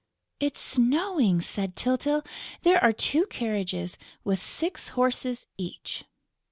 "It's snowing!" said Tyltyl. "There are two carriages, with six horses each!"